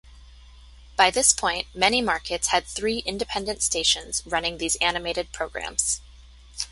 By this point, many markets had three independent stations running these animated programs.